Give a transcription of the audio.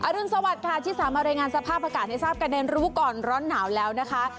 รุนสวัสดิ์ค่ะที่สามารถรายงานสภาพอากาศให้ทราบกันในรู้ก่อนร้อนหนาวแล้วนะคะ